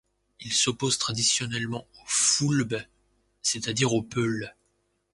Ils s'opposent traditionnellement aux Foulbes, c'est-à-dire aux Peuls.